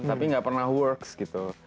tapi nggak pernah works gitu